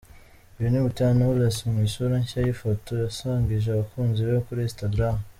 Uyu ni Butera Knowless mu isura nshya y’ifoto yasangije abakunzi be kuri Instagram.